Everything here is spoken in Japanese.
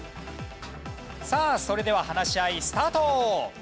さあそれでは話し合いスタート！